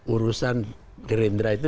urusan gerindra itu